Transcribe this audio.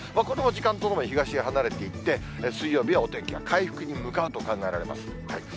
これも時間とともに東へ離れていって、水曜日はお天気が回復に向かうと考えられます。